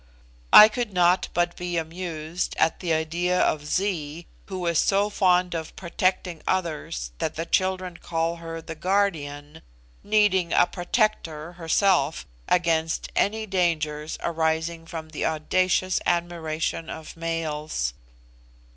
I could not but be amused at the idea of Zee, who is so fond of protecting others that children call her 'THE GUARDIAN,' needing a protector herself against any dangers arising from the audacious admiration of males.